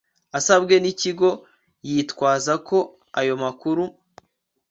asabwe n Ikigo yitwaza ko ayo makuru